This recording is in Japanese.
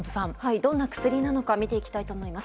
どんな薬なのか見ていきたいと思います。